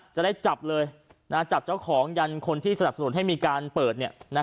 จะได้จับเลยจับเจ้าของยันคนที่สนับสนุนให้มีการเปิด